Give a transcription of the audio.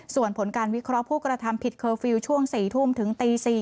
ส่วนผลการวิเคราะห์ผู้กระทำผิดเคอร์ฟิลล์ช่วง๔ทุ่มถึงตี๔